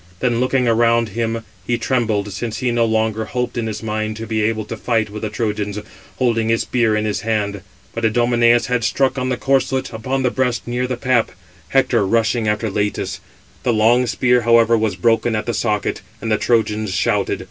Then looking around him, he trembled, since he no longer hoped in his mind [to be able] to fight with the Trojans, holding his spear in his hand. But Idomeneus had struck, on the corslet, upon the breast near the pap, Hector rushing after Leïtus: the long spear, however, was broken at the socket; and the Trojans shouted.